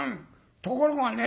ところがね